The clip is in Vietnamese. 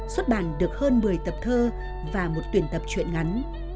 xuất bản được hơn một mươi tập thơ và một tuyển tập chuyện ngắn